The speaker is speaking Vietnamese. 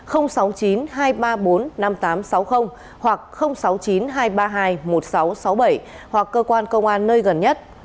sáu mươi chín hai trăm ba mươi bốn năm nghìn tám trăm sáu mươi hoặc sáu mươi chín hai trăm ba mươi hai một nghìn sáu trăm sáu mươi bảy hoặc cơ quan công an nơi gần nhất